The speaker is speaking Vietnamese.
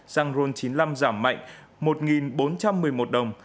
xăng ron chín mươi năm giảm mạnh một bốn trăm một mươi một đồng